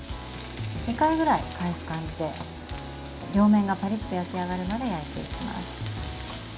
２回ぐらい返す感じで両面がパリッと焼き上がるまで焼いていきます。